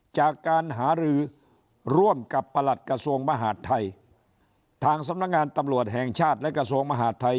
จากการหารือร่วมกับประหลัดกระทรวงมหาดไทยทางสำนักงานตำรวจแห่งชาติและกระทรวงมหาดไทย